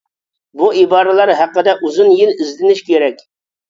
بۇ ئىبارىلەر ھەققىدە ئۇزۇن يىل ئىزدىنىش كېرەك.